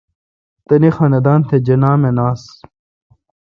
تانی خاندان تھ جناح مناس۔